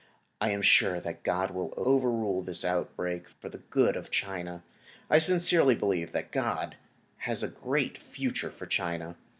I am sure that God will overrule this outbreak for the good of China. I sincerely believe that God has a great future for China.